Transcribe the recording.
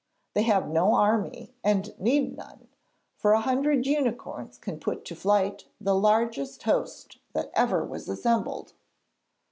They have no army and need none, for a hundred unicorns can put to flight the largest host that ever was assembled.